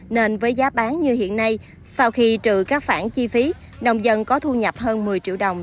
nên với giá bán như hiện nay sau khi trừ các phản chi phí nông dân có thu nhập hơn một mươi triệu đồng